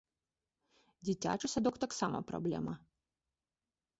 Дзіцячы садок таксама праблема.